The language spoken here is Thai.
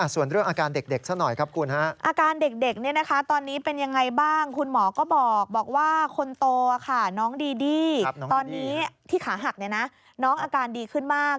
ส่วนเรื่องอาการเด็กสักหน่อยครับคุณฮะ